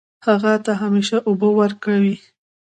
هغه ته همیشه اوبه ورکوئ